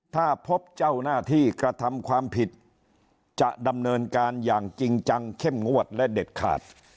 ถ้าพบเจ้าหน้าที่กระทำความผิดจะดำเนินการอย่างจริงจังเข้มงวดและเด็ดขาด